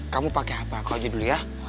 kamu pake hp aku aja dulu ya